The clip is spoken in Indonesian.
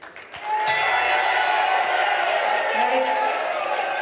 untuk memastikan warga jakarta terlindungi